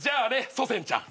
祖先ちゃん。